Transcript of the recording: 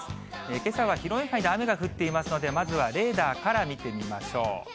けさは広い範囲で雨が降っていますので、まずはレーダーから見てみましょう。